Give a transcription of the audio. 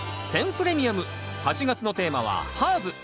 プレミアム８月のテーマは「ハーブ」。